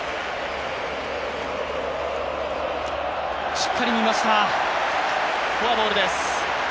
しっかり見ました、フォアボールです。